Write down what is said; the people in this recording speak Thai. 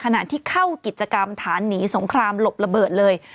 ขณะที่เข้ากิจกรรมฐานหนีสงครามหลบระเบิดเลย